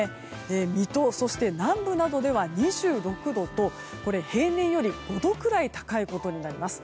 水戸、南部などでは２６度と平年より５度くらい高いことになります。